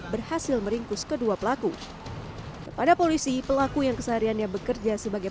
berhasil meringkus kedua pelaku kepada polisi pelaku yang kesehariannya bekerja sebagai